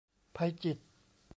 ไพจิตร